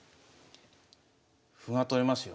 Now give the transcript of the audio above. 歩が取れますよ。